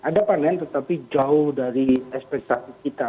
ada panen tetapi jauh dari ekspresiasi kita